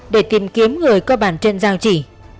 để tìm kiếm người có bàn chân dao chỉ